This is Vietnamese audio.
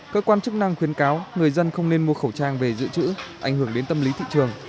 cơ quan chức năng khuyến cáo người dân không nên mua khẩu trang về dự trữ ảnh hưởng đến tâm lý thị trường